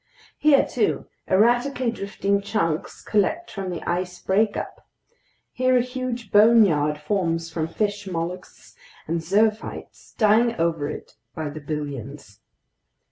Here, too, erratically drifting chunks collect from the ice breakup. Here a huge boneyard forms from fish, mollusks, and zoophytes dying over it by the billions.